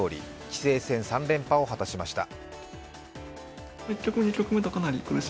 棋聖戦３連覇を果たしました。